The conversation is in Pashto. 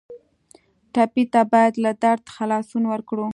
ټپي ته باید له درده خلاصون ورکړو.